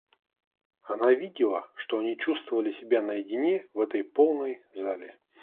Она видела, что они чувствовали себя наедине в этой полной зале.